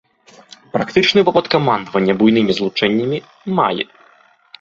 Практычны вопыт камандавання буйнымі злучэннямі мае.